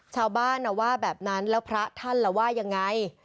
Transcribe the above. ชาวบ้านว่าแบบนั้นแล้วพระท่านล่ะว่ายังไง